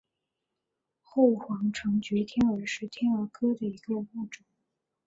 后黄长喙天蛾是天蛾科的一个物种。